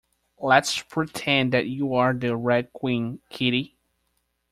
Let’s pretend that you’re the Red Queen, Kitty!